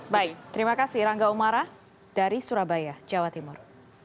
baik terima kasih rangga umara dari surabaya jawa timur